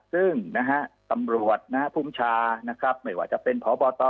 ซึ่งนะฮะตำรวจนะฮะภูมิชานะครับไม่ว่าจะเป็นพบต